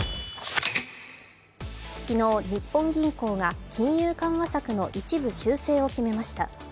昨日日本銀行が金融緩和策の一部修正を決めました。